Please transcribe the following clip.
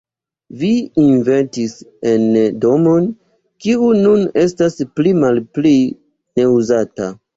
Vi investis en domon, kiu nun estas pli malpli neuzata.